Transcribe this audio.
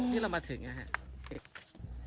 นี่เรามาถึงนะฮะ